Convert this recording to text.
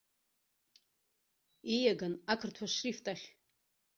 Ииаган ақырҭуа шрифт ахь.